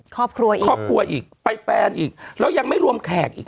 ครอบครัวอีกไปแปลนอีกแล้วยังไม่รวมแขกอีก